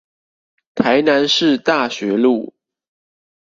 台南市大學路